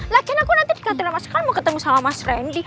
lagian aku nanti di kantornya mas al mau ketemu sama mas randy